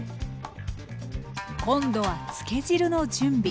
今度は漬け汁の準備。